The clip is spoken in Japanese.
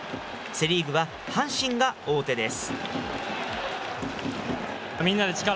セ・リーグは阪神が王手です。